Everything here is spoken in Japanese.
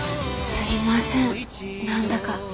すいません何だか。